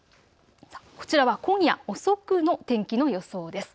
こちらは今夜遅くの天気の予想です。